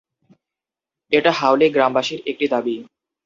এটা হাউলী গ্রামবাসীর একটি দাবি।